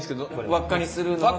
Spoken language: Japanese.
輪っかにするのは？